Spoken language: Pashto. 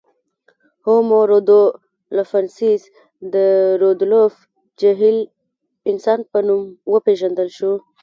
هومو رودولفنسیس د رودولف جهیل انسان په نوم وپېژندل شو.